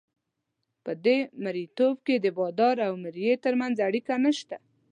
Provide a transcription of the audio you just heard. په دې مرییتوب کې د بادار او مریي ترمنځ اړیکه نشته.